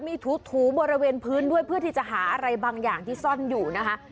มีถูบริเวณพื้นด้วยเพื่อที่จะหาอะไรบางอย่างที่ซ่อนอยู่นะคะ